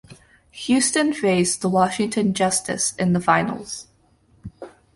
Houston faced the Washington Justice in the finals.